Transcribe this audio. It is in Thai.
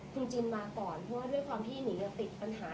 คุณจินมาก่อนเพราะว่าด้วยความที่นิงติดปัญหา